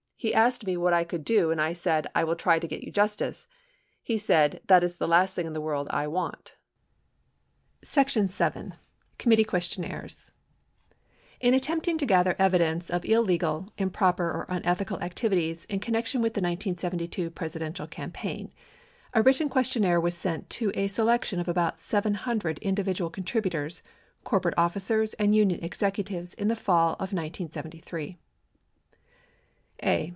He asked me what I could do and I said I will try to get you justice. He said, that is the last thing in the world I want. 98 VII. COMMITTEE QUESTIONNAIRES In attempting to gather evidence of illegal, improper, or unethical activities in connection with the 1972 Presidential campaign, a written questionnaire was sent to a selection of about 700 individual contrib utors, corporate officers, and union executives in the fall of 1973. A.